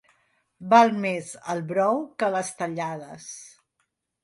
Val més el brou que les tallades.